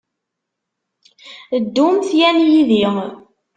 Ddumt yan yid-i.